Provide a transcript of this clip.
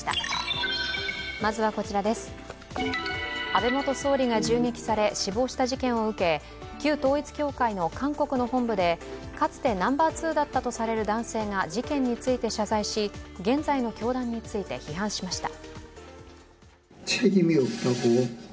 安倍元総理が銃撃され死亡した事件を受け、旧統一教会の韓国の本部でかつてナンバー２だったとされる男性が事件について謝罪し現在の教団について批判しました。